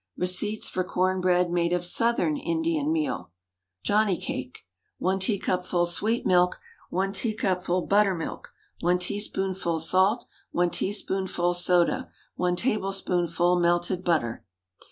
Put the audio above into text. Receipts for Corn Bread made of Southern Indian Meal. JOHNNY CAKE. 1 teacupful sweet milk. 1 teacupful buttermilk. 1 teaspoonful salt. 1 teaspoonful soda. 1 tablespoonful melted butter.